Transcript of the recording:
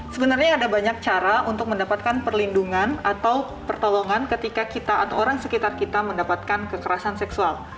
sebenarnya ada banyak cara untuk mendapatkan perlindungan atau pertolongan ketika kita atau orang sekitar kita mendapatkan kekerasan seksual